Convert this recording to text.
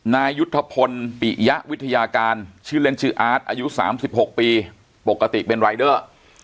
นายยุทธพลปิยะวิทยาการชื่อเล่นชื่ออาร์ตอายุ๓๖ปีปกติเป็นรายเดอร์